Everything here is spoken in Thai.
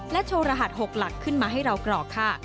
โชว์รหัส๖หลักขึ้นมาให้เรากรอกค่ะ